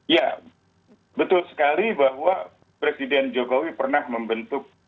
ya betul sekali bahwa presiden jokowi pernah membentuk